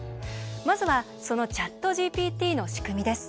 まずはそのＣｈａｔＧＰＴの仕組みです。